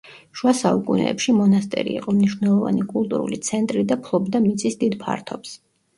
შუა საუკუნეებში მონასტერი იყო მნიშვნელოვანი კულტურული ცენტრი და ფლობდა მიწის დიდ ფართობს.